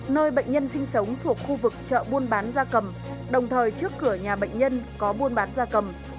nơi bệnh nhân sinh sống thuộc khu vực chợ buôn bán da cầm đồng thời trước cửa nhà bệnh nhân có buôn bán da cầm